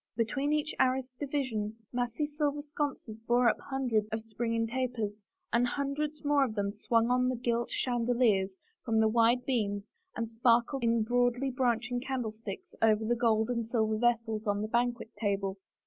Be tween each arras division massy silver sconces bore up hundreds of springing tapers, and hundreds more of them swung on gilt chandeliers from the wide beams and sparkled in broadly branching candlesticks over the gold and silver vessels on the banquet table.